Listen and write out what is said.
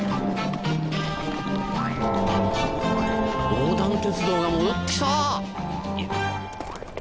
横断鉄道が戻って来た！